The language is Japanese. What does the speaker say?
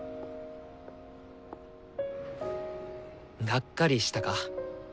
がっかりしたか？